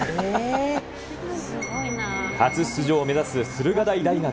初出場を目指す駿河台大学。